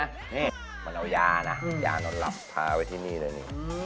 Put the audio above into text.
นี่มาเอายายานทนรับพาไว้ที่นี่เลย